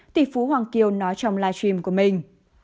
tỷ phú hoàng kiều nói trong live stream của mình